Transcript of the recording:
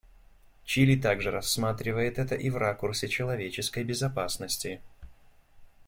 Чили также рассматривает это и в ракурсе человеческой безопасности.